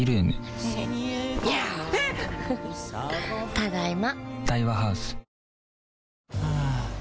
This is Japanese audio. ただいま。